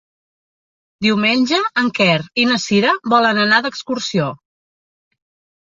Diumenge en Quer i na Cira volen anar d'excursió.